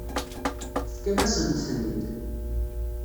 Tefkam-asent-ten-id.